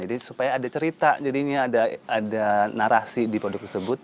jadi supaya ada cerita jadi ini ada narasi di produk tersebut